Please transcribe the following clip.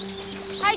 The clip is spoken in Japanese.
はい。